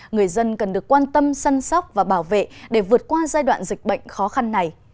người dân cần được quan tâm sân sóc và bảo vệ để vượt qua giai đoạn dịch bệnh khó khăn này